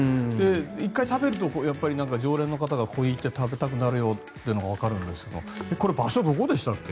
１回食べると常連の方が行って食べたくなるというのがわかるんですがこれ、場所どこでしたっけ？